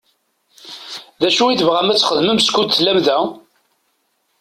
D acu i tebɣam ad t-txedmem skud tellam da?